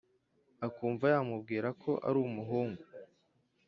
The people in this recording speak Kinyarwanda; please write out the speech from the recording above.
Akumva yamubwira ko ari umuhungu,